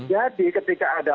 jadi ketika ada